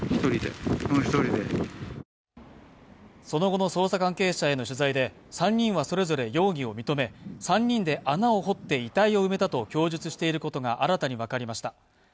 その後の捜査関係者への取材で、３人はそれぞれ容疑を認め３人で穴を掘って遺体を埋めたと供述していることが新たに分かりました。